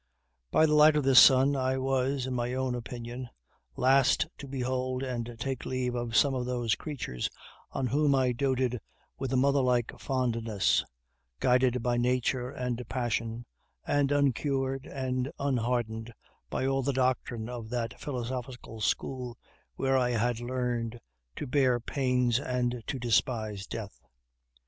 By the light of this sun I was, in my own opinion, last to behold and take leave of some of those creatures on whom I doted with a mother like fondness, guided by nature and passion, and uncured and unhardened by all the doctrine of that philosophical school where I had learned to bear pains and to despise death.